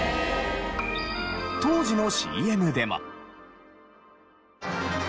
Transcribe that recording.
当時のＣＭでも。